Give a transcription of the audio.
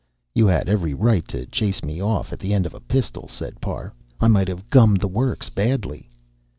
"You had every right to chase me off at the end of a pistol," said Parr. "I might have gummed the works badly."